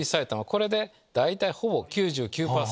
これで大体９９％。